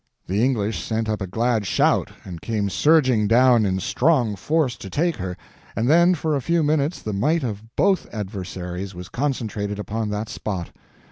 The English sent up a glad shout and came surging down in strong force to take her, and then for a few minutes the might of both adversaries was concentrated upon that spot.